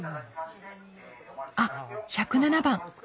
あっ１０７番。